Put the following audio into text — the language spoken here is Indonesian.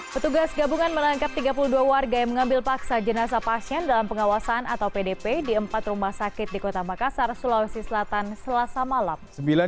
petugas gabungan menangkap tiga puluh dua warga yang mengambil paksa jenazah pasien dalam pengawasan atau pdp di empat rumah sakit di kota makassar sulawesi selatan selasa malam